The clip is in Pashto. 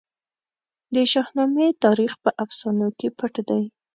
د شاهنامې تاریخ په افسانو کې پټ دی.